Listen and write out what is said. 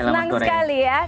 panget semida selamat sore